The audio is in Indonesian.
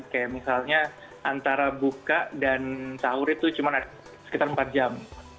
kayak misalnya antara buka dan sahur itu cuma sekitar empat jam